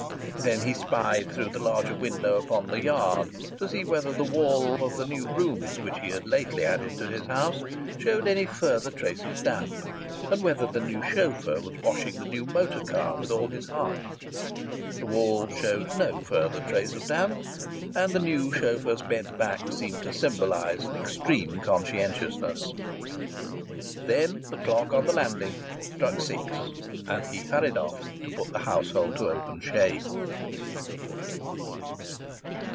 Then he spied through the larger window upon the yard, to see whether the wall of the new rooms which he had lately added to his house showed any further trace of damp, and whether the new chauffeur was washing the new motor car with all his heart. The wall showed no further trace of damp, and the new chauffeur's bent back seemed to symbolize an extreme conscientiousness. Then the clock on the landing struck six and he hurried off to put the household to open shame.